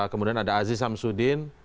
kemudian ada aziz hamsuddin